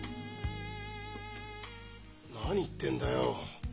何言ってんだよ。